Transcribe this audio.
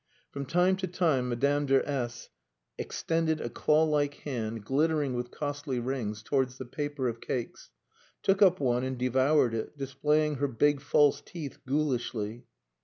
From time to time Madame de S extended a claw like hand, glittering with costly rings, towards the paper of cakes, took up one and devoured it, displaying her big false teeth ghoulishly.